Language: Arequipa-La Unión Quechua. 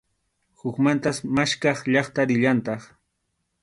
Hukmantas maskhaq llaqta rillantaq.